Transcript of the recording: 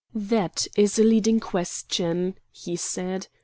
"That is a leading question," he said.